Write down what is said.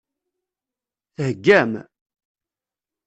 Theggam?